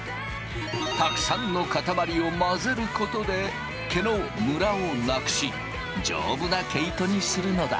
たくさんの塊を混ぜることで毛のムラをなくし丈夫な毛糸にするのだ。